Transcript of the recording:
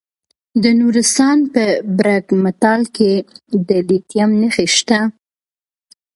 د نورستان په برګ مټال کې د لیتیم نښې شته.